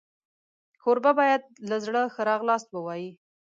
کوربه باید له زړه ښه راغلاست ووایي.